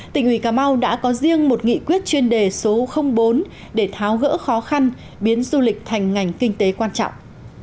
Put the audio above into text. tỉnh ủy cà mau đã có riêng một nghị quyết chuyên đề số bốn để tháo gỡ khó khăn biến du lịch thành ngành kinh tế quan trọng